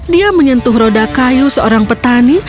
dia menyentuh roda kayu seorang petani